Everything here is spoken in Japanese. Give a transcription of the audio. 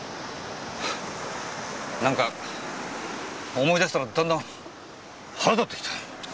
なんか思い出したらだんだんハラたってきた！